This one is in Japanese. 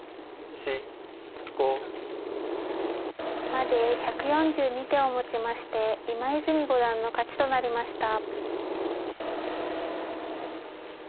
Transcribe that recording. １２３４５。まで１４２手をもちまして今泉五段の勝ちとなりました。